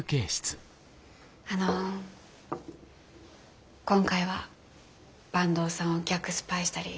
あの今回は坂東さんを逆スパイしたり。